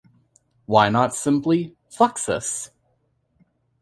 Why not simply "Fluxus"?